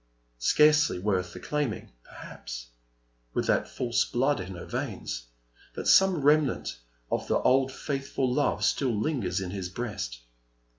Scarcely worth the claiming, perhaps, with that false blood in her veins. But some remnant of the old faithful love still lingers in his breast.